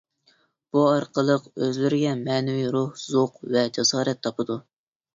بۇ ئارقىلىق ئۆزلىرىگە مەنىۋى روھ، زوق ۋە جاسارەت تاپىدۇ.